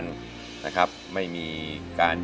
เพลงแรกของเจ้าเอ๋ง